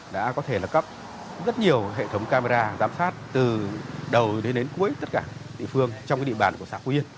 đã có thể là cấp rất nhiều hệ thống camera giám sát từ đầu đến cuối tất cả địa phương trong địa bàn của xã phú yên